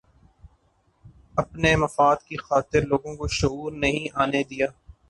اپنے مفاد کی خاطرلوگوں کو شعور نہیں آنے دیا